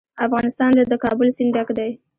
افغانستان له د کابل سیند ډک دی.